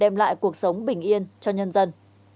đem lại cuộc sống bình yên cho nhân dân